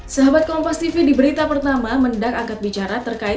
sahabat kompas tv di berita pertama mendak angkat bicara terkait